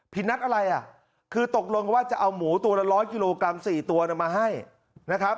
นัดอะไรอ่ะคือตกลงว่าจะเอาหมูตัวละ๑๐๐กิโลกรัม๔ตัวมาให้นะครับ